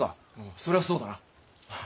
そりゃあそうだな。